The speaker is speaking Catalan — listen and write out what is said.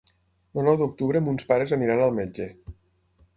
El nou d'octubre mons pares aniran al metge.